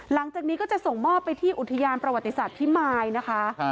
หลังจากนี้ก็จะส่งมอบไปที่อุทยานประวัติศาสตร์พิมายนะคะ